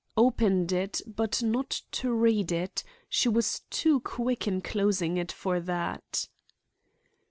"Opened it, but not to read it. She was too quick in closing it for that."